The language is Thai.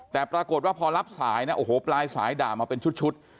แต่ปรากฏว่าพอรับสายนะโอ้โหปลายสายด่ามาเป็นชุด